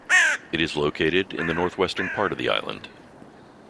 It is located in the northwestern part of the island.